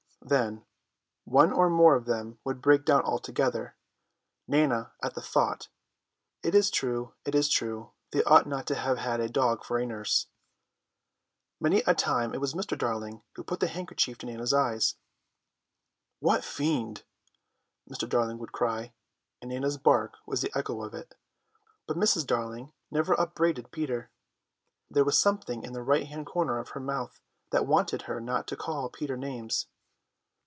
Then one or more of them would break down altogether; Nana at the thought, "It's true, it's true, they ought not to have had a dog for a nurse." Many a time it was Mr. Darling who put the handkerchief to Nana's eyes. "That fiend!" Mr. Darling would cry, and Nana's bark was the echo of it, but Mrs. Darling never upbraided Peter; there was something in the right hand corner of her mouth that wanted her not to call Peter names.